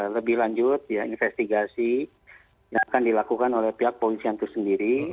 lebih lanjut ya investigasi yang akan dilakukan oleh pihak polisian itu sendiri